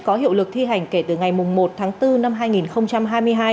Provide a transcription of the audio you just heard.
có hiệu lực thi hành kể từ ngày một tháng bốn năm hai nghìn hai mươi hai